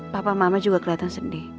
papa mama juga kelihatan sedih